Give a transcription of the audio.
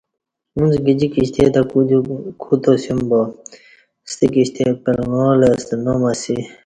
اݩڅ گجی کشتے تہ کودیوم کوتاسیوم با ستہ کشتے پلگاں لہ ستہ نام اسی